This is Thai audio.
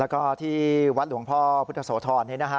แล้วก็ที่วัดหลวงพ่อพุทธโสธรนี้นะฮะ